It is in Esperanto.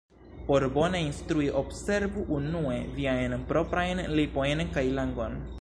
Por bone instrui, observu unue viajn proprajn lipojn kaj langon.